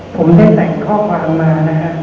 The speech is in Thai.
ผมได้แสดงข้อความมา